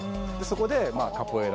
そこで。